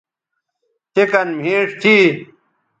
تے کن مھیݜ تھی